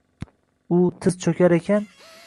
U tiz chukar ekan